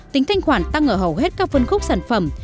tính thanh khoản tăng ở hầu hết các phân khúc sản phẩm